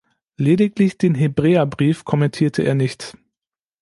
Lediglich den Hebräerbrief kommentierte er nicht.